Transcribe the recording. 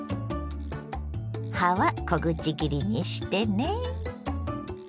葉は小口切りにしてね。